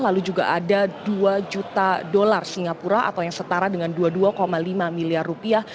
lalu juga ada dua juta dolar singapura atau yang setara dengan dua puluh dua lima miliar rupiah